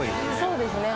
そうですね